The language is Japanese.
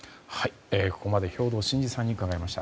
ここまで兵頭慎治さんに伺いました。